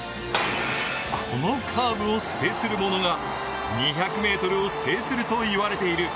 このカーブを制する者が、２００ｍを制するといわれている。